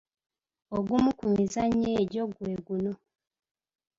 Ogumu ku mizannyo egyo gwe guno.